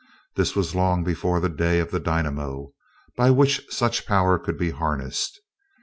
This was long before the day of the dynamo, by which such power could be harnessed.